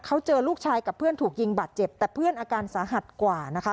เขาเจอลูกชายกับเพื่อนถูกยิงบาดเจ็บแต่เพื่อนอาการสาหัสกว่านะคะ